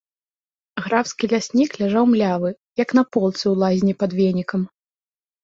Графскі ляснік ляжаў млявы, як на полцы ў лазні пад венікам.